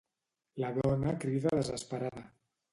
La dona crida desesperada.